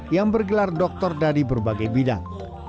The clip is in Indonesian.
yang bergelar doktor dari berbagai bidang